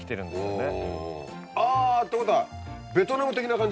あぁってことは。